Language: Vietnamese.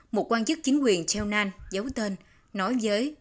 họ tổ chức các nghi lễ